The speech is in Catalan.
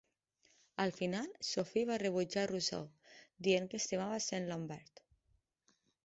Al final, Sophie va rebutjar Rousseau, dient que estimava Saint-Lambert.